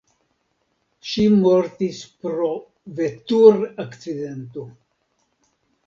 Ŝi mortis pro vetur-akcidento.